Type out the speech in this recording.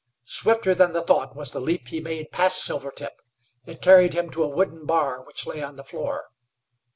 Swifter than the thought was the leap he made past Silvertip. It carried him to a wooden bar which lay on the floor.